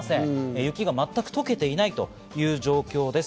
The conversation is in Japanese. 雪が全く溶けていないという状況です。